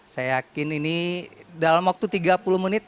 saya yakin ini dalam waktu tiga puluh menit